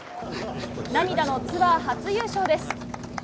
涙のツアー初優勝です。